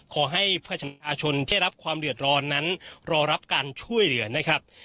ขอให้ประชาชนที่รับความเดือดร้อนนั้นรอรับการช่วยเหลือนะครับ